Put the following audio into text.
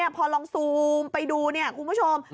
พอลองซูมไปดูคุณผู้ชม